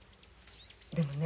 でもね